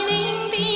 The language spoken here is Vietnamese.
đi em đi